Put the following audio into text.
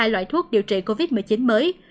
hai loại thuốc điều trị covid một mươi chín mới